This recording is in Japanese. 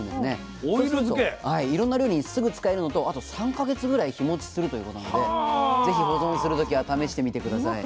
そうするといろんな料理にすぐ使えるのとあと３か月ぐらい日もちするということなんでぜひ保存する時は試してみて下さい。